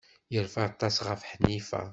Yerfa aṭas ɣef Ḥnifa.